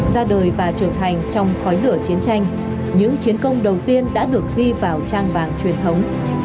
ra đời và trưởng thành trong khói lửa chiến tranh những chiến công đầu tiên đã được ghi vào trang vàng truyền thống